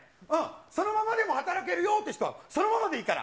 そのままでも働けるよって人は、そのままでいいから。